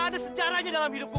ada sejarahnya dalam hidupku